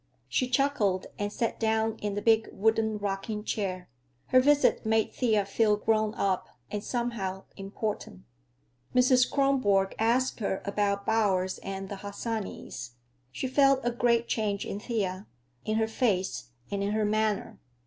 She chuckled and sat down in the big wooden rocking chair. Her visit made Thea feel grown up, and, somehow, important. Mrs. Kronborg asked her about Bowers and the Harsanyis. She felt a great change in Thea, in her face and in her manner.